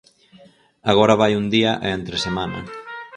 Agora vai un día e entre semana.